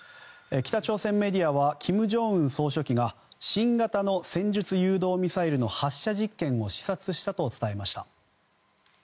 北朝鮮メディアは金正恩総書記が新型の戦術誘導ミサイルの発射実験を視察したと伝えました。